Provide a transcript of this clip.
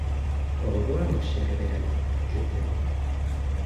Au revoir mon cher et bel ami je t'aime